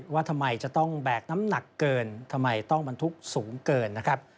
ว่าทำไมจะต้องแบกน้ำหนักเกินทำไมต้องบรรทุกสูงเกินนะครับ